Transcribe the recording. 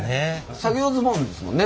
作業ズボンですもんね？